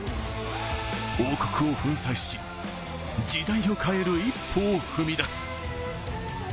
王国を粉砕し、時代を変える一歩を踏み出す。